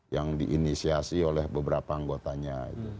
yang diinisiasi oleh beberapa anggotanya